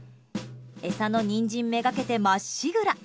餌のニンジンめがけてまっしぐら。